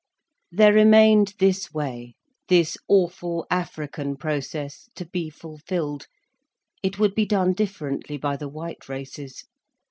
There remained this way, this awful African process, to be fulfilled. It would be done differently by the white races.